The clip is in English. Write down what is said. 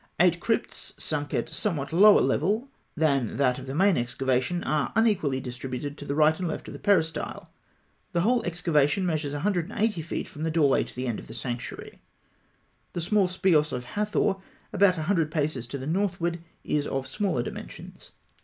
Eight crypts, sunk at a somewhat lower level than that of the main excavation, are unequally distributed to right and left of the peristyle. The whole excavation measures 180 feet from the doorway to the end of the sanctuary. The small speos of Hathor, about a hundred paces to the northward, is of smaller dimensions.